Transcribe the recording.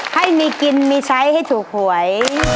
ให้มีกินมีใช้ให้ถูกหวย